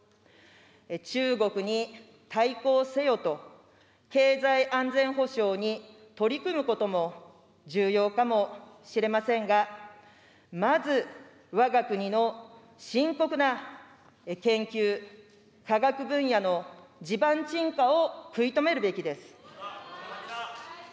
中国に対抗せよと、経済安全保障に取り組むことも重要かもしれませんが、まず、わが国の深刻な研究、科学分野の地盤沈下を食い止めるべきです。